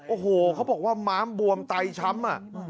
โอ้โหเขาบอกว่าม้ามบวมไตช้ำ